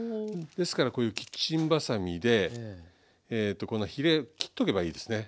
ですからこういうキッチンばさみでこのヒレ切っとけばいいですね。